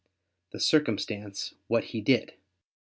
the circumstance "what he did."